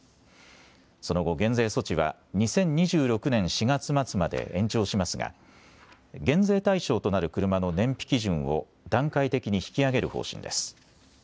その後、減税措置は２０２６年４月末まで延長しますが減税対象となる車の燃費基準を段階的に引き上げる方針です。